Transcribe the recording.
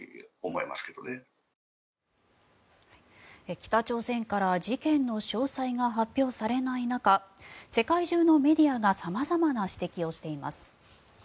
北朝鮮から事件の詳細が発表されない中世界中のメディアが様々な指摘をしています。